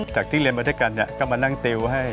ที่เรียนมาด้วยกันก็มานั่งติวให้